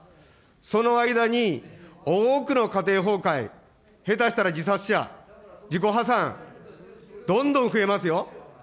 その間に多くの家庭崩壊、へたしたら自殺者、自己破産、どんどん増えますよ。